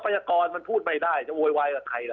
ยากรมันพูดไม่ได้จะโวยวายกับใครล่ะ